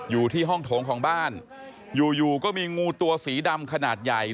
อยู่ที่ห้องโถงของบ้านอยู่อยู่ก็มีงูตัวสีดำขนาดใหญ่